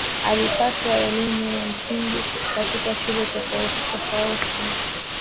Alipata elimu ya msingi katika shule tofauti tofati